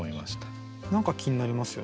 何か気になりますよね。